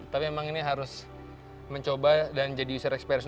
tapi memang ini harus mencoba dan jadi user experience